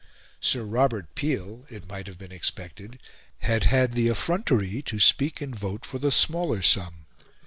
Sir Robert Peel it might have been expected had had the effrontery to speak and vote for the smaller sum.